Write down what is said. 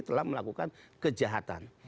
telah melakukan kejahatan